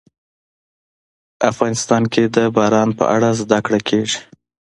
افغانستان کې د باران په اړه زده کړه کېږي.